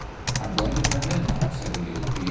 "I'm going to turn in now," said the A.P.